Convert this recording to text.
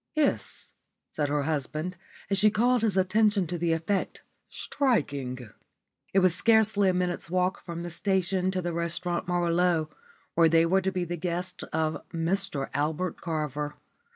"Yes," said her husband, as she called his attention to the effect. "Striking." It was scarcely a minute's walk from the station to the Restaurant Merveilleux, where they were to be the guests of Mr Albert Carver.